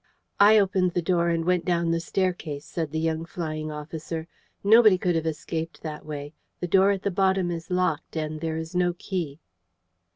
"I opened the door and went down the staircase," said the young flying officer. "Nobody could have escaped that way. The door at the bottom is locked, and there is no key."